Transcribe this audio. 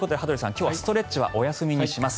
今日はストレッチはお休みにします。